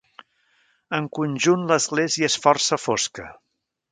En conjunt l'església és força fosca.